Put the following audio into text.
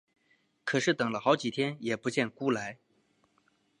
可是等了好几天也不见辜来。